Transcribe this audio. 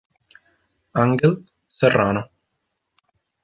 Ángel Serrano